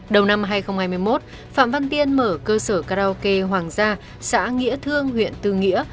đầu năm hai nghìn hai mươi một phạm văn tiên mở cơ sở karaoke hoàng gia xã nghĩa thương huyện tư nghĩa